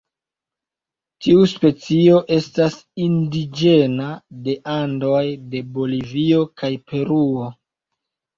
Tiu specio estas indiĝena de Andoj de Bolivio kaj Peruo.